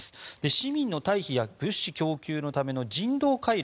市民の退避や物資供給のための人道回廊